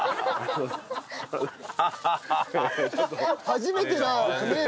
初めてなねえ？